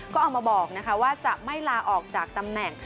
ก็เอามาบอกว่าจะไม่ลาออกจากตำแหน่ง